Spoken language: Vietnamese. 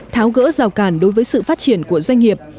tháo gỡ rào cản đối với sự phát triển của doanh nghiệp